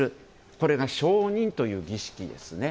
これが承認という儀式ですね。